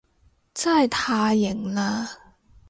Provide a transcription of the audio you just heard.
真係太型喇